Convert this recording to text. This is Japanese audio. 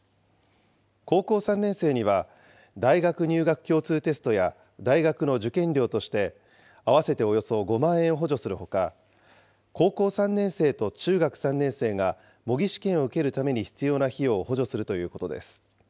高校３年生には、大学入学共通テストや、大学の受験料として、合わせておよそ５万円を補助するほか、高校３年生と中学３年生が模擬試験を受けるために必要な費用を補助するということです。